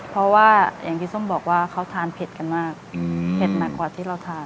เพราะว่าอย่างที่ส้มบอกว่าเขาทานเผ็ดกันมากเผ็ดหนักกว่าที่เราทาน